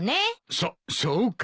そそうか？